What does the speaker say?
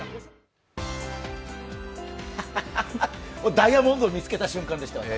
ダイヤモンドを見つけた瞬間でした、私。